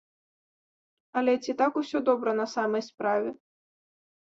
Але ці так усё добра на самай справе?